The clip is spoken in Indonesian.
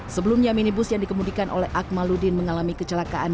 sebelumnya minibus yang dikemudikan oleh akmaludin mengalami kecelakaan